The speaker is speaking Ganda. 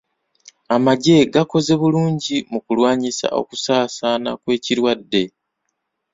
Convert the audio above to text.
Amagye gakoze bulungi mu kulwanyisa okusaasaana kw'ekirwadde.